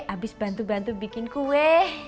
abis bantu bantu bikin kue